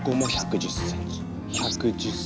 １１０ｃｍ。